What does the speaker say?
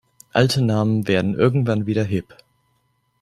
Alte Namen werden irgendwann wieder hip.